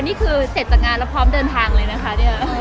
นี่คือเสร็จจากงานแล้วพร้อมเดินทางเลยนะคะเนี่ย